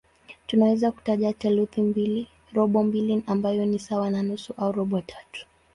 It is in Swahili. Tunaweza kutaja theluthi mbili, robo mbili ambayo ni sawa na nusu au robo tatu.